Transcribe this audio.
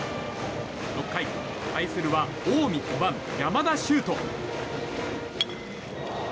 ６回、対するは近江５番、山田修斗。